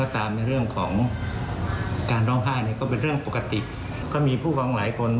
ถูกต้อง